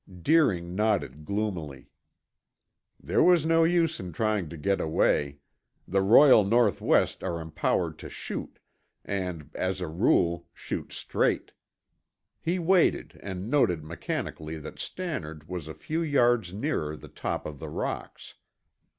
Deering nodded gloomily. There was no use in trying to get away; the Royal North West are empowered to shoot, and, as a rule, shoot straight. He waited and noted mechanically that Stannard was a few yards nearer the top of the rocks.